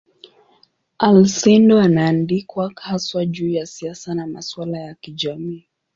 Alcindor anaandikwa haswa juu ya siasa na masuala ya kijamii.